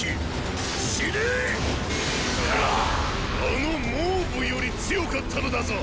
あの蒙武より強かったのだぞ！